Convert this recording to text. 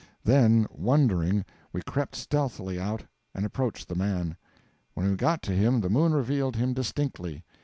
Then, wondering, we crept stealthily out, and approached the man. When we got to him the moon revealed him distinctly.